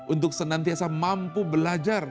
untuk senantiasa mampu belajar